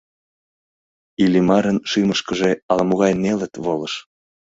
Иллимарын шӱмышкыжӧ ала-могай нелыт волыш.